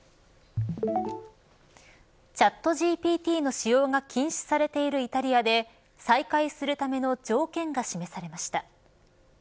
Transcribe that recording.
チャットＧＰＴの使用が禁止されているイタリアで再開するための条件が示されました。